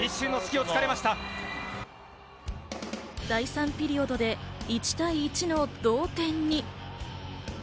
第３ピリオドで１対１の同点に。